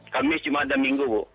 kamis jumat dan minggu bu